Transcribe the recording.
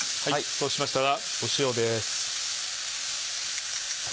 そうしましたら塩です。